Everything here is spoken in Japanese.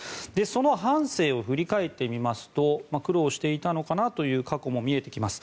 その半生を振り返ってみますと苦労していたのかなという過去も見えてきます。